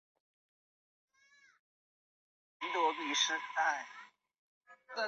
当中如善待动物组织便曾指它们试图以此研究基础去治疗羊的同性行为。